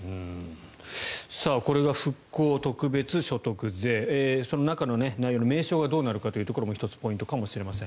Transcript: これが復興特別所得税その中の内容の名称がどうなるかというのも１つ、ポイントかもしれません。